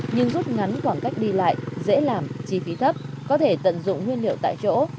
nhưng rút ngắn khoảng cách đi lại dễ làm chi phí thấp có thể tận dụng nguyên liệu tại chỗ